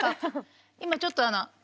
今ちょっとあのね。